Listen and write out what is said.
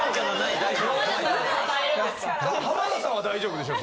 大丈夫？